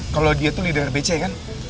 kalau dia tuh leader bc kan